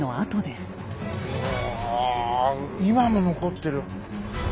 うわ今も残ってる。